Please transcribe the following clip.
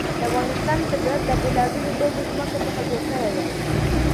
د افغانستان طبیعت له بېلابېلو ډولو ځمکه څخه جوړ شوی دی.